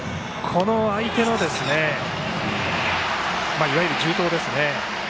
相手のいわゆる重盗ですね。